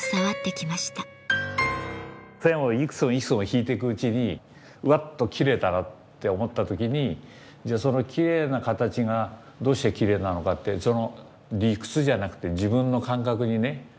線をいくつもいくつも引いていくうちにわっときれいだなって思った時にじゃあそのきれいな形がどうしてきれいなのかって理屈じゃなくて自分の感覚にね